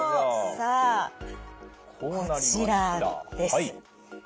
さあこちらです。